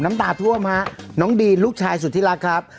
น้ำตาท่วมฮะน้องดีนลูกชายสุดที่รักครับ